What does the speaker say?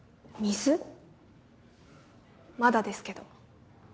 まだですけど。